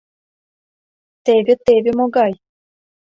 Теве, теве могай!